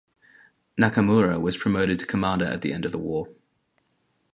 Nakamura was promoted to Commander at the end of the war.